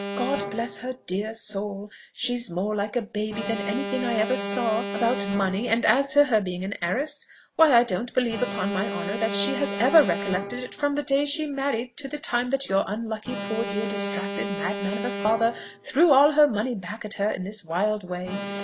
God bless her dear soul! she's more like a baby than any thing I ever saw, about money; and as to her being an heiress, why I don't believe, upon my honour, that she has ever recollected it from the day she married to the time that your unlucky, poor dear distracted madman of a father threw all her money back at her in this wild way.